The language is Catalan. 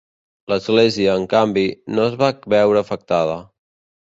L'església, en canvi, no es va veure afectada.